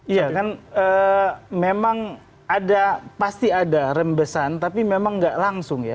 iya kan memang ada pasti ada rembesan tapi memang nggak langsung ya